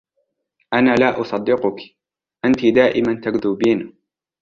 أنا لا أصدقُكِ, أنتِ دائماً تكذبين.